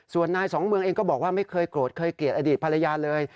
ส่วนนายสองเมืองเองก็บอกว่าไม่เคยโกรธเคยเกลียดอดีตภรรยาเลย